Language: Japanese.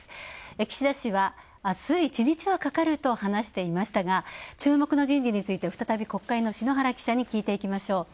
岸田氏は、あす１日はかかると話していましたが、注目の人事について再び国会の篠原記者に聞いていきましょう。